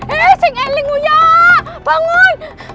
eh telinga gue bangun